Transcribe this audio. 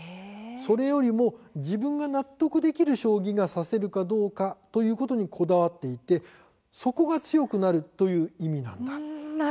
それよりも自分が納得できる将棋が指せるかどうかということにこだわっていてそこが強くなるという意味なんだ。